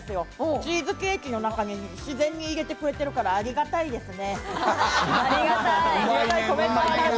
チーズケーキの中に自然に入れてくれてるから、ありがたいですね。